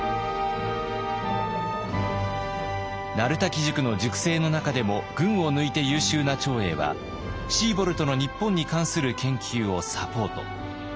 鳴滝塾の塾生の中でも群を抜いて優秀な長英はシーボルトの日本に関する研究をサポート。